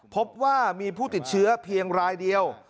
พบว่ามีผู้ติดเชื้อเพียงรายเดียว